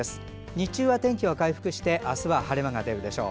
日中は天気が回復して明日は晴れ間が出るでしょう。